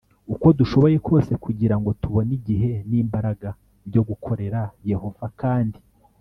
Uko dushoboye kose kugira ngo tubone igihe n imbaraga byo gukorera yehova kandi